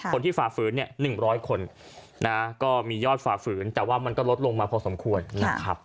ฝ่าฝืนเนี่ย๑๐๐คนนะก็มียอดฝ่าฝืนแต่ว่ามันก็ลดลงมาพอสมควรนะครับ